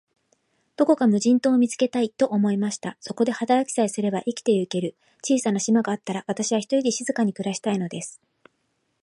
どこか無人島を見つけたい、と思いました。そこで働きさえすれば、生きてゆける小さな島があったら、私は、ひとりで静かに暮したいのです。